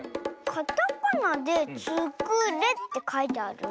カタカナで「ツクレ」ってかいてあるね。